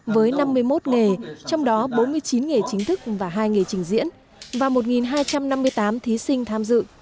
với năm mươi một nghề trong đó bốn mươi chín nghề chính thức và hai nghề trình diễn và một hai trăm năm mươi tám thí sinh tham dự